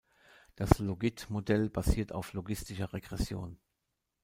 Das Logit-Modell basiert auf logistischer Regression.